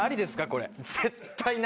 これ。